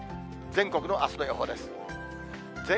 全国のあすの予報です。